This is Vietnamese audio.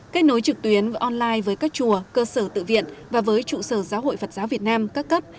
kết nối trực tuyến online với các chùa cơ sở tự viện và với trụ sở giáo hội phật giáo việt nam các cấp